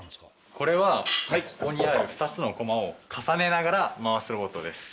これはここにある２つのコマを重ねながら回すロボットです。